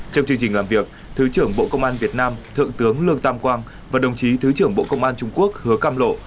trong chương trình làm việc thứ trưởng bộ công an việt nam thượng tướng lương tam quang và đồng chí thứ trưởng bộ công an trung quốc hứa cam lộ